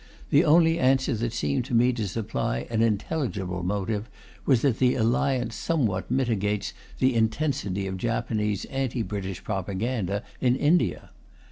The only answer that seemed to me to supply an intelligible motive was that the Alliance somewhat mitigates the intensity of Japanese anti British propaganda in India.